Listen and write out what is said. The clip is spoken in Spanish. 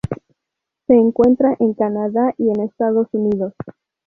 Se encuentra en Canadá y en Estados Unidos.